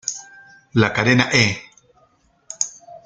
La cadena E!